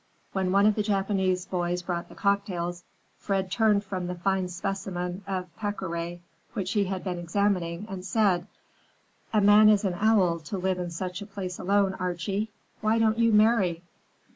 When one of the Japanese boys brought the cocktails, Fred turned from the fine specimen of peccoray he had been examining and said, "A man is an owl to live in such a place alone, Archie. Why don't you marry?